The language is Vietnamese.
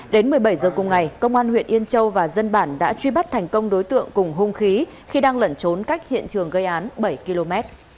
đến một mươi bảy h cùng ngày công an huyện yên châu và dân bản đã truy bắt thành công đối tượng cùng hung khí khi đang lẩn trốn cách hiện trường gây án bảy km